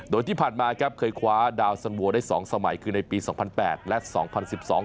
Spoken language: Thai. โดยที่ผ่านมาครับเคยคว้าดาวสันโวได้สองสมัยคือในปีสองพันแปดและสองพันสิบสอง